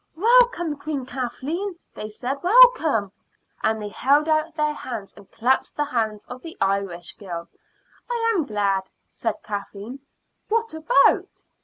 "Welcome, Queen Kathleen," they said "welcome;" and they held out their hands and clasped the hands of the Irish girl. "I am glad," said Kathleen. "What about?"